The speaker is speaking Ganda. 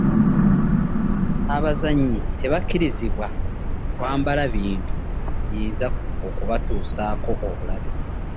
Abazannyi tebakubirizibwa kwambala bintu biyinza okubatuusaako obulabe.